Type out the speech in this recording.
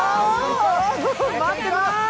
待ってます。